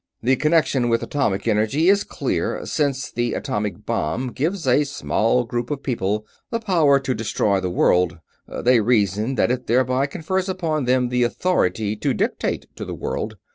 The connection with atomic energy is clear: since the atomic bomb gives a small group of people the power to destroy the world, they reason that it thereby confers upon them the authority to dictate to the world.